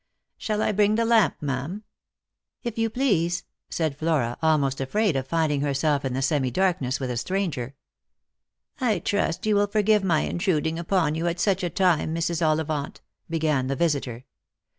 " Shall I bring the lamp, ma'am ?"" If you please," said Flora, almost afraid at finding herself in the semi darkness with a stranger. " I trust you will forgive my intruding upon you at such a time, Mrs. Ollivant," began the visitor.